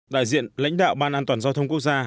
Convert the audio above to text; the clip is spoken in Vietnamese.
đại diện lãnh đạo ban an toàn giao thông quốc gia